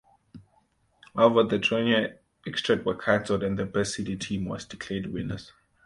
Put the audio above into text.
However the Torneio Extra was cancelled and the best seeded team was declared winners.